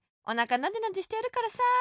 おなかなでなでしてやるからさ。